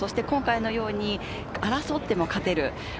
今回のように争っても勝てる。